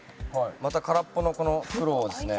また空っぽのこの袋をですね。